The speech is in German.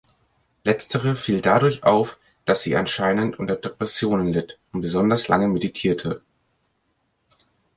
Letztere fiel dadurch auf, dass sie anscheinend unter Depressionen litt und besonders lange meditierte.